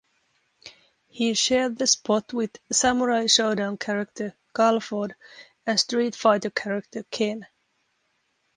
He shared the spot with "Samurai Shodown" character, Galford, and "Street Fighter" character, Ken.